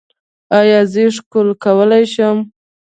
ایا زه ښکلول کولی شم؟